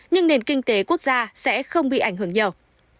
nhưng nền kinh tế quốc gia sẽ không bị ảnh hưởng nhiều